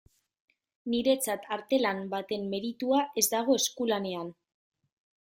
Niretzat artelan baten meritua ez dago eskulanean.